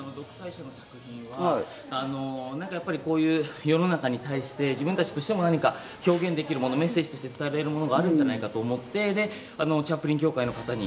チャップリンの『独裁者』の作品は、こういう世の中に対して自分たちとしても何か表現できるもの、メッセージとして伝えられるものがあるんじゃないかと思って。